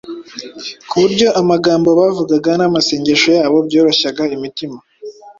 ku buryo amagambo bavugaga n’amasengesho yabo byoroshyaga imitima